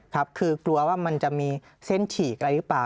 ครับคือกลัวว่ามันจะมีเส้นฉีกอะไรหรือเปล่า